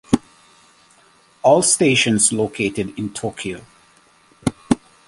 All stations located in Tokyo.